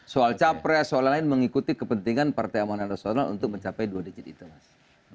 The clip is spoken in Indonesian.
soal capres soal lain mengikuti kepentingan partai amanah nasional untuk mencapai dua digit itu mas